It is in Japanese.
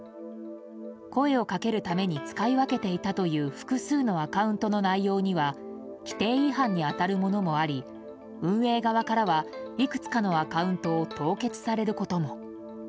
声をかけるために使い分けていたという複数のアカウントの内容には規定違反に当たるものもあり運営側からは、いくつかのアカウントを凍結されることも。